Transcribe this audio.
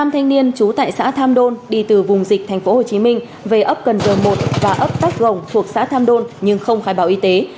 năm thanh niên trú tại xã tham đôn đi từ vùng dịch tp hcm về ấp cần r một và ấp tác rồng thuộc xã tham đôn nhưng không khai báo y tế